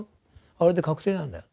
あれで確定なんだよ。